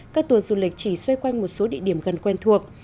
các tour du lịch chỉ xoay quanh một số địa điểm gần quen thuộc